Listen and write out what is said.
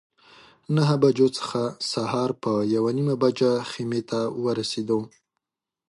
نهه بجو څخه سهار په یوه نیمه بجه خیمې ته ورسېدو.